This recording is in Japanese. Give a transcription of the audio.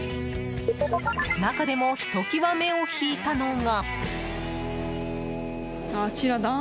中でもひときわ目を引いたのが。